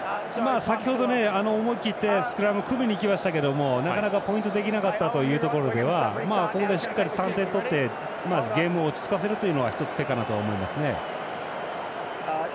先ほど思い切ってスクラム組みにいきましたけどなかなかポイントできなかったというところではここでしっかり３点取ってゲームを落ち着かせるというのはひとつ、手かなと思いますね。